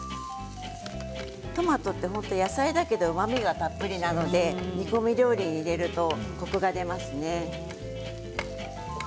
トマトは野菜だけどうまみ、たっぷりなので煮込み料理に入れるとコクが出ますね。